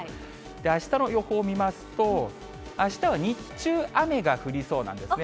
あしたの予報を見ますと、あしたは日中雨が降りそうなんですね。